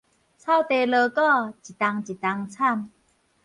草地鑼鼓，一冬一冬慘